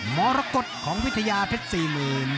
มรกฎของวิทยาเพชรสี่หมื่น